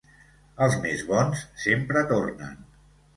Els més bons sempre tornen.